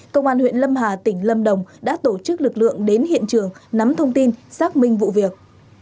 công an huyện lâm hà tỉnh lâm đồng đã tổ chức lực lượng đến hiện trường nắm thông tin xác minh vụ việc